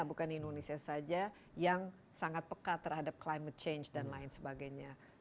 bukan indonesia saja yang sangat peka terhadap climate change dan lain sebagainya